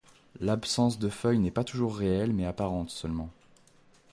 L'absence de feuilles n'est pas toujours réelle mais apparente seulement.